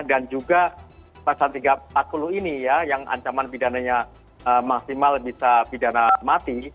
dan juga pasal tiga ratus empat puluh ini ya yang ancaman pidananya maksimal bisa pidana mati